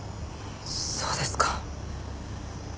そうですか。